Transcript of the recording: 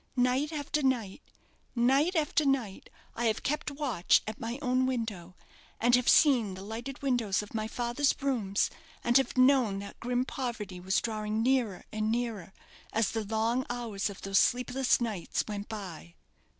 Night after night, night after night, I have kept watch at my own window, and have seen the lighted windows of my father's rooms, and have known that grim poverty was drawing nearer and nearer as the long hours of those sleepless nights went by."